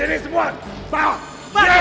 pergi ini punya kamu